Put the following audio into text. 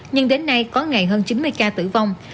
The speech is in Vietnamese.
nhưng đến nay có ngày hơn chín mươi ca tử vong